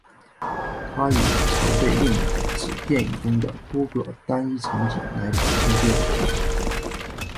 它也常被用来指电影中的多个单一场景来表现电影。